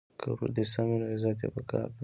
که ورور دي سم وي نو عزت یې په کار دی.